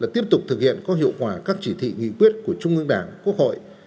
tiếp tục thực hiện có hiệu quả các chỉ thị nghị quyết của trung ương đảng quốc hội